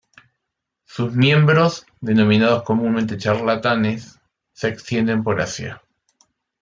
Sus miembros, denominados comúnmente charlatanes, se extienden por Asia.